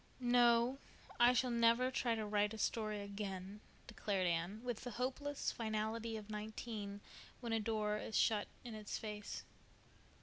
"No, I shall never try to write a story again," declared Anne, with the hopeless finality of nineteen when a door is shut in its face.